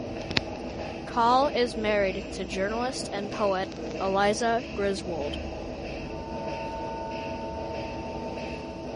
Coll is married to journalist and poet Eliza Griswold.